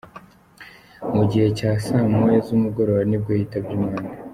Mu gihe cya saa Moya z’umugoroba nibwo yitabye Imana.